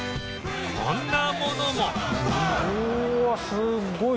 こんなものも！